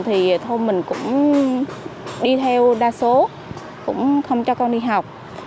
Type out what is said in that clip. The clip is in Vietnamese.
thì thôn mình cũng đi theo đa số cũng không cho con đi học